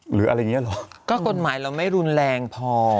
หรืออะไรอย่างเงี้เหรอก็กฎหมายเราไม่รุนแรงพอ